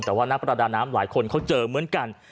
แต่ว่านักประดาน้ำหลายคนเขาเจอเหมือนกัน